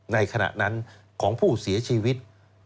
ขณะนั้นของผู้เสียชีวิต